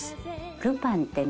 『ルパン』ってね